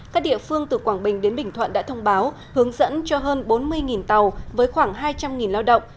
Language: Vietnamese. các địa phương từ quảng bình đến bình thuận đã thông báo hướng dẫn cho hơn bốn mươi tàu với khoảng hai trăm linh lao động